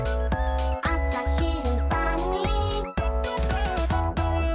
「あさ、ひる、ばん、に」